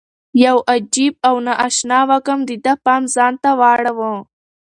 یو عجیب او نا اشنا وږم د ده پام ځان ته واړاوه.